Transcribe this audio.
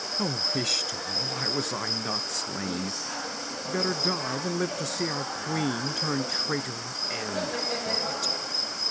Oh, Ishtar, why was I not slain? Better die than live to see our queen turn traitor and harlot!'